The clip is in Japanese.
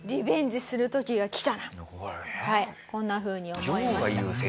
はいこんなふうに思いました。